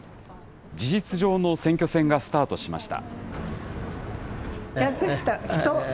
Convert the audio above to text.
事実上の選挙戦がスタートしました。